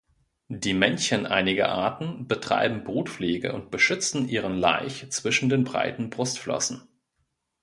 Die Männchen einiger Arten betreiben Brutpflege und beschützen ihren Laich zwischen den breiten Brustflossen.